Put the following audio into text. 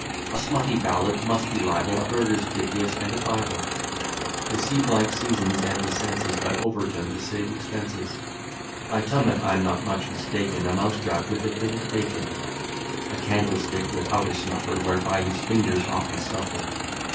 A smutty ballad, musty libel, A Burgersdicius and a Bible. The C Seasons and the Senses By Overton, to save expenses. Item, (if I am not much mistaken,) A mouse trap with a bit of bacon. A candlestick without a snuffer, Whereby his fingers often suffer.